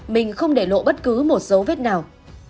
mình không để lộ bất cứ một dấu vết nào